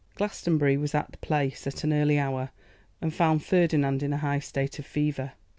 Glastonbury was at the Place at an early hour, and found Ferdinand in a high state of fever.